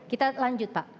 kita lanjut pak